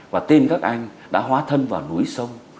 và tin các anh đã hóa thân vào núi sông